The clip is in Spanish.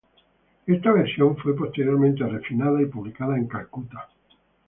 Esta versión fue posteriormente refinada y publicada en Calcuta.